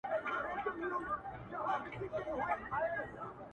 كه هر چا كړ دا گيند پورته زموږ پاچا دئ؛